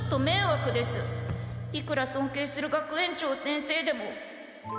いくらそんけいする学園長先生でも。